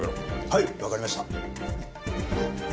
はいわかりました。